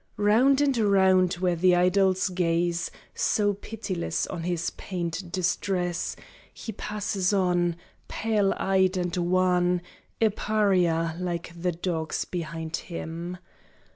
Round and round where the idols gaze So pitiless on his pained distress He passes on, Pale eyed and wan A pariah like the dogs behind him.